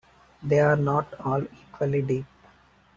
They are not all equally deep.